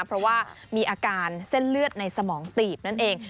เพราะว่ามีอาการเส้นเลือดในสมองตีบนั่นเอง